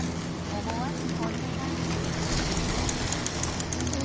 思わず本音が。